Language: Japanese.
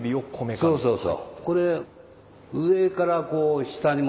そうそうそう。